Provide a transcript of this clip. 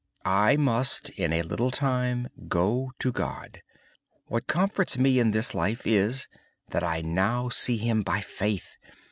I must, in a little time, go to God. What comforts me in this life is that I now see Him by faith.